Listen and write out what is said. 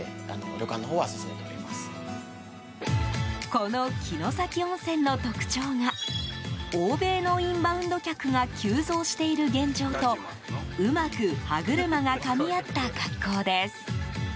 この城崎温泉の特徴が欧米のインバウンド客が急増している現状とうまく歯車がかみ合った格好です。